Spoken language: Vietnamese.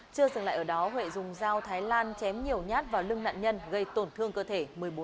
chưa dừng lại ở đó huệ dùng dao thái lan chém nhiều nhát vào lưng nạn nhân gây tổn thương cơ thể một mươi bốn